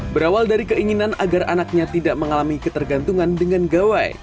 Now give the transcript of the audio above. berawal dari keinginan agar anaknya tidak mengalami ketergantungan dengan gawai